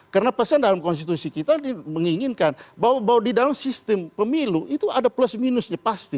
karena pesan dalam konstitusi kita menginginkan bahwa di dalam sistem pemilu itu ada plus minusnya pasti